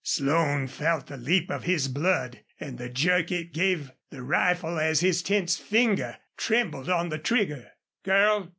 Slone felt the leap of his blood and the jerk it gave the rifle as his tense finger trembled on the trigger. "Girl....